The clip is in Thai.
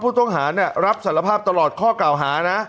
ผู้ต้องหารับสารภาพตลอดข้อกล่าวหานะ